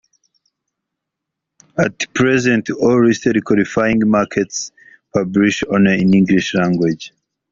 At present, all listed qualifying markets publish only in the English language.